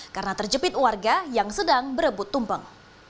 karena terjepit warga yang sedang berebut tumpeng